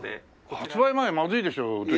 発売前まずいでしょ映したら。